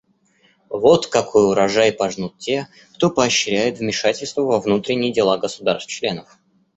Вот какой урожай пожнут те, кто поощряет вмешательство во внутренние дела государств-членов.